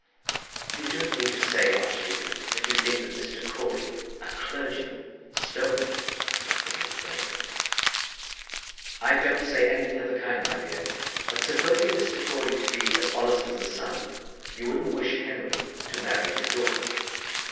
"You don't mean to say, archdeacon, that you think that Mr. Crawley a clergyman stole it!" said Mrs. Grantly. "I don't say anything of the kind, my dear. But supposing Mr. Crawley to be as honest as the sun, you wouldn't wish Henry to marry his daughter."